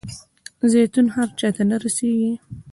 زیتون هر چاته نه رسیږي.